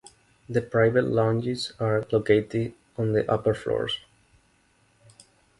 The private lounges are located on the upper floors.